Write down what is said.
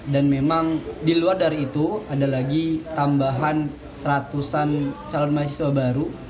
dan memang di luar dari itu ada lagi tambahan seratusan calon mahasiswa baru